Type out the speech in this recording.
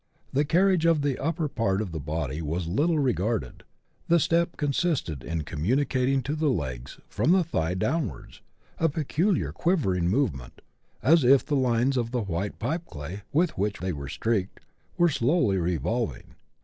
The carriage of the upper part of the body was little regarded ; the step consisted in communicating to the legs, from the thigh downwards, a peculiar quivering movement, as if the lines of white pipeclay, with which they were streaked, were slowly revolving.